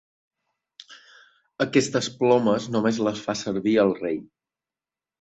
Aquestes plomes només les fa servir el rei.